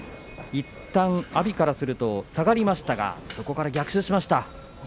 いったん阿炎からすると下がりましたがそこから逆襲しました。